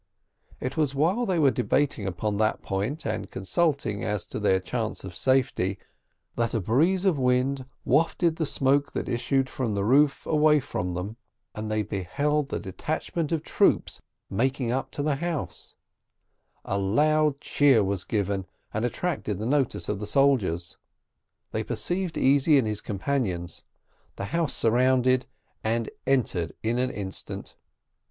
It was while they were debating upon this point, and consulting as to their chance of safety, that a breeze of wind wafted the smoke that issued from the roof away from them, and they beheld the detachment of troops making up to the house; a loud cheer was given, and attracted the notice of the soldiers. They perceived Easy and his companions; the house was surrounded and entered in an instant.